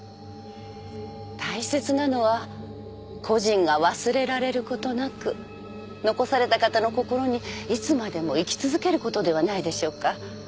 大切なのは故人が忘れられることなく残された方の心にいつまでも生き続けることではないでしょうか？